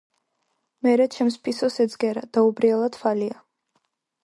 მერე ჩემს ფისოს ეძგერა, დაუბრიალა თვალია,